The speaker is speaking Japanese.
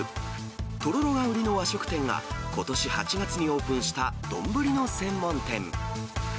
とろろが売りの和食店が、ことし８月にオープンした丼の専門店。